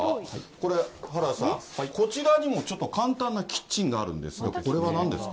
これ、原田さん、こちらにもちょっと簡単なキッチンがあるんですけど、これはなんですか？